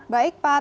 baik pak ate